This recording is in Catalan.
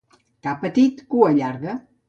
Ca petit, cua llarga.